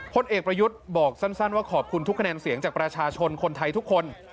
พลเอกประยุทธ์บอกสั้นว่าขอบคุณทุกคะแนนเสียงจากประชาชนคนไทยทุกคน